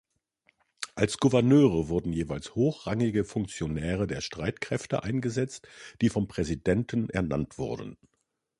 Als Gouverneure wurden jeweils hochrangige Funktionäre der Streitkräfte eingesetzt, die vom Präsidenten ernannt wurden.